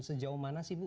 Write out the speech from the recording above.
sejauh mana sih bu